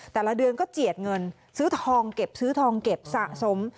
แต่ละเดือนก็เจียดเงินซื้อทองเก็บสะสม